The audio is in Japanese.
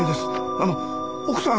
あの奥さん